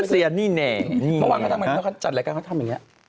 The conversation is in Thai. ลัดเสียนี่แน่นี่เมื่อวานเขาทำยังไงเขาจัดรายการเขาทำอย่างเนี้ย